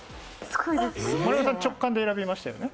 丸山さん、直感で選びましたよね？